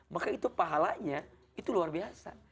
maka itu pahalanya itu luar biasa